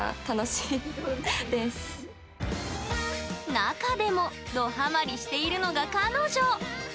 中でもドハマりしているのが彼女。